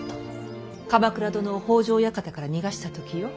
鎌倉殿を北条館から逃がした時よ。